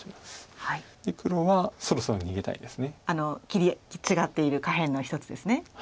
切り違っている下辺の１つですね。